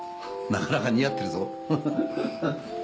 なかなか似合ってるぞ。